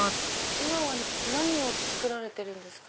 今は何を作られてるんですか？